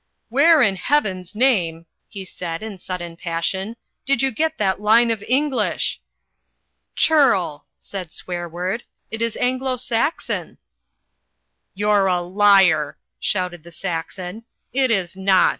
"Where in heaven's name," he said in sudden passion, "did you get that line of English?" "Churl!" said Swearword, "it is Anglo Saxon." "You're a liar!" shouted the Saxon, "it is not.